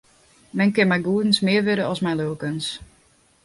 Men kin mei goedens mear wurde as mei lulkens.